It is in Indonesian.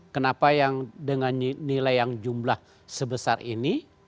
kenapa yang dengan nilai yang jumlah sebesar ini